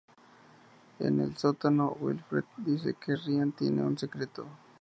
En el sótano, Wilfred dice que Ryan tiene un secreto.